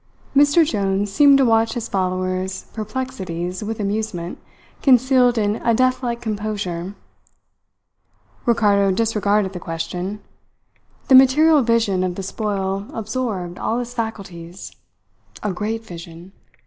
Mr Jones seemed to watch his follower's perplexities with amusement concealed in a death like composure. Ricardo disregarded the question. The material vision of the spoil absorbed all his faculties. A great vision!